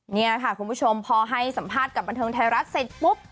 นี่ค่ะคุณผู้ชมพอให้สัมภาษณ์กับบันเทิงไทยรัฐเสร็จปุ๊บ